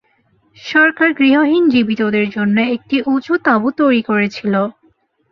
সরকার গৃহহীন জীবিতদের জন্য একটি উঁচু তাঁবু তৈরি করেছিল।